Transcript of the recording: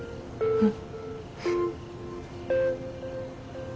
うん。